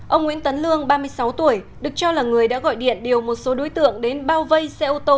ông nguyễn tấn lương ba mươi sáu tuổi được cho là người đã gọi điện điều một số đối tượng đến bao vây xe ô tô